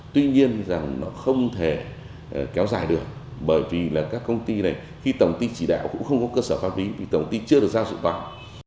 tuy nhiên việc này không thể kéo dài được bởi vì các công ty này khi tổng ty chỉ đạo cũng không có cơ sở pháp lý vì tổng ty chưa được giao dụng bằng